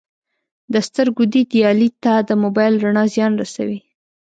د سترګو دید یا لید ته د موبایل رڼا زیان رسوي